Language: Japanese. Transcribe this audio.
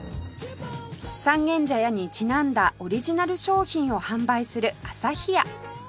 三軒茶屋にちなんだオリジナル商品を販売するアサヒヤ